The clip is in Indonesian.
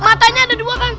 matanya ada dua pak